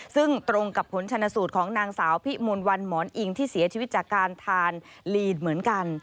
ซึ่งตรงกับผลชนสูตรของนางสาวพิมนต์วันหมอนอิงที่เสียชีวิตจากการทานลีนเหมือนกัน